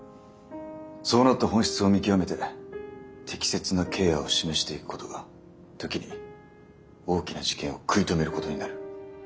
そうなった本質を見極めて適切なケアを示していくことが時に大きな事件を食い止めることになる。